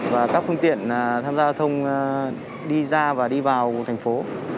và các phương tiện tham gia giao thông đi ra và đi vào thành phố